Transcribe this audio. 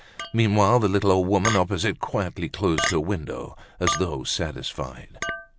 Meanwhile, the little old woman opposite quietly closed her window, as though satisfied.